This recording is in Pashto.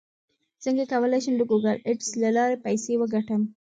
څنګه کولی شم د ګوګل اډز له لارې پیسې وګټم